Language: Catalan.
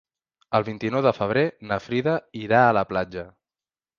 El vint-i-nou de febrer na Frida irà a la platja.